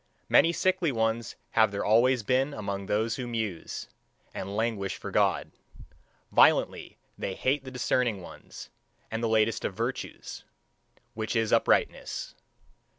Many sickly ones have there always been among those who muse, and languish for God; violently they hate the discerning ones, and the latest of virtues, which is uprightness.